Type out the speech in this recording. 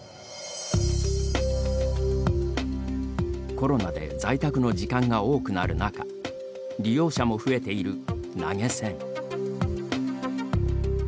コロナで在宅の時間が多くなる中利用者も増えている投げ銭。